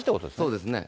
そうですね。